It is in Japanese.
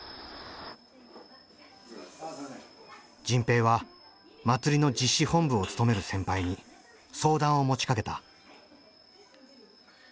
迅平は祭りの実施本部を務める先輩に相談を持ちかけた。